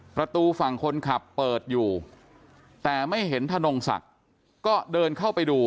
ประตูฝั่งคนขับเปิดอยู่แต่ไม่เห็นธนงศักดิ์ก็เดินเข้าไปดู